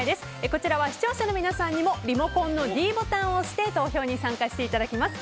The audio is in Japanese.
こちらは視聴者の皆さんにもリモコンのｄボタンを押して投票に参加していただきます。